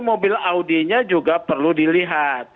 mobil audinya juga perlu dilihat